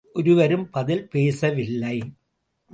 ஒருவரும் பதில் பேசவில்லை.